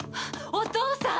お父さん！